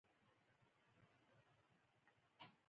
جمال خان او فریدګل په ګډه کار کاوه او خبرې یې کولې